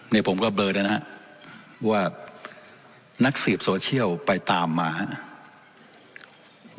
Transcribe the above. เนี้ยผมก็เบลอได้นะฮะว่านักสืบโซเชียลไปตามมาฮะ